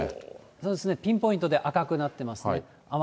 そうですね、ピンポイントで赤くなってますね。